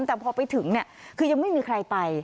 แต่พอไปถึงเนี่ยคือยังไม่มีใครไป